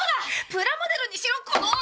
プラモデルにしろこの！